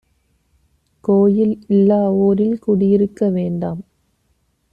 கோயில் இல்லா ஊரில் குடி இருக்க வேண்டாம்